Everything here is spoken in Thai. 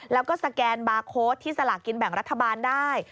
แล้วก็สแกนบาร์โค้ดที่สลากกินแบ่งรัฐบาลได้